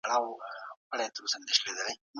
په دولتي ادارو کي باید د ښځو سپکاوی ونه سي.